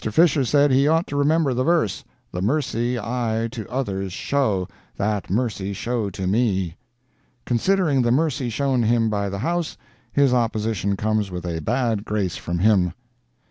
Fisher said he ought to remember the verse, "The mercy I to others show, That mercy show to me." Considering the mercy shown him by the House, his opposition comes with a bad grace from him.